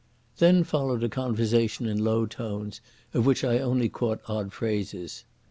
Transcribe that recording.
Then followed a conversation in low tones, of which I only caught odd phrases.